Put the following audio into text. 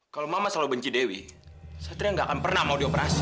kalau mama selalu benci dewi satria nggak akan pernah mau dioperasi